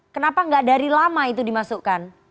kenapa nggak dari lama itu dimasukkan